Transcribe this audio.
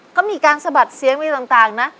ก็มีการสะบัดเสียงไปต่างนะ